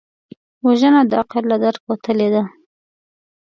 وژنه د عقل له درکه وتلې ده